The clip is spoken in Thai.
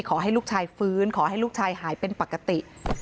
ขอให้ลูกชายฟื้นขอให้ลูกชายหายเป็นปกติ